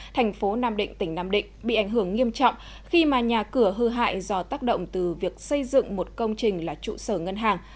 thành phố nam định tỉnh nam định bị ảnh hưởng nghiêm trọng khi mà nhà cửa hư hại do tác động từ việc xây dựng một công trình là trụ sở ngân hàng